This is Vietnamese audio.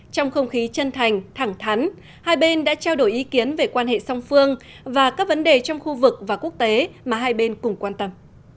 trong không khí chân thành thẳng thắn hai bên đã trao đổi ý kiến về quan hệ song phương và các vấn đề trong khu vực và quốc tế mà hai bên cùng quan tâm